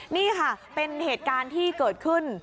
นี่ค่ะเป็นเหตุการณ์ที่เกิดขึ้น